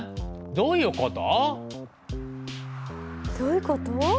どういうこと？